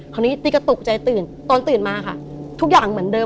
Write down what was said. คราวนี้ติ๊กก็ตกใจตื่นตอนตื่นมาค่ะทุกอย่างเหมือนเดิม